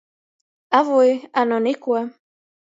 Avai, a nu nikuo!